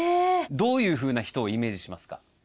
どういうふうな人をイメージしますか？